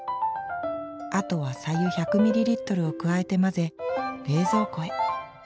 あとは白湯１００ミリリットルを加えて混ぜ冷蔵庫へ。